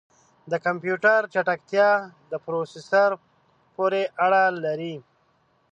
د کمپیوټر چټکتیا د پروسیسر پورې اړه لري.